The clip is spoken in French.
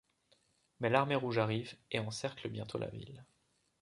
Mais l'Armée rouge arrive et encercle bientôt la ville...